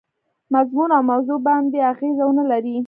مضمون او موضوع باندي اغېزه ونه لري.